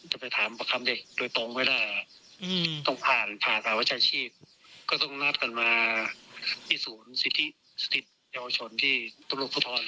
หากหากประชาชีพก็ต้องรับกันมาที่ศูนย์สถิติวโยชนที่ตรงลบพุทธทอด